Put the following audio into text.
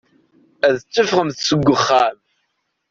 Ad teffɣemt seg uxxam.